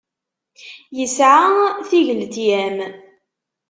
Yesɛa tigletyam.